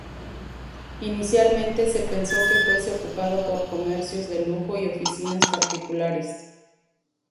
Inicialmente se pensó que fuese ocupado por comercios de lujo y oficinas particulares.